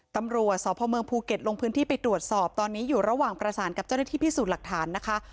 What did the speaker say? ตำรวจสพเมืองภูเก็ตลงพื้นที่ไปตรวจสอบตอนนี้อยู่ระหว่างประสานกับเจ้าหน้าที่พิสูจน์หลักฐานนะคะ